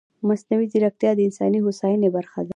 مصنوعي ځیرکتیا د انساني هوساینې برخه ده.